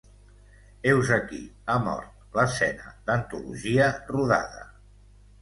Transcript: Heus aquí, ha mort, l'escena d'antologia rodada.